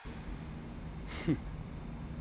フッ。